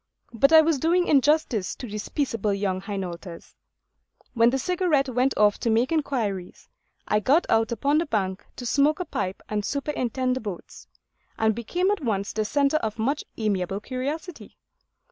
But I was doing injustice to these peaceable young Hainaulters. When the Cigarette went off to make inquiries, I got out upon the bank to smoke a pipe and superintend the boats, and became at once the centre of much amiable curiosity.